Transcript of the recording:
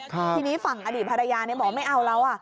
ทีนี้ฝั่งอดีตภรรยาบอกไม่เอาแล้ว